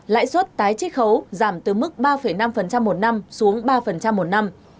lãi suất tái chích khấu giảm từ mức ba năm một năm xuống ba một năm